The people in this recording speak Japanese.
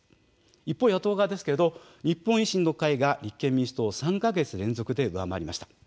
一方、野党側ですけれども日本維新の会が立憲民主党を３か月連続で上回りました。